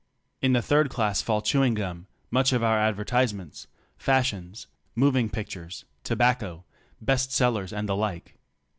In the third class fall chewing gum, much of our adver tisements, fashions, moving pictures, tobacco, best sellers and the like.